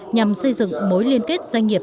nhằm xây dựng mối liên kết doanh nghiệp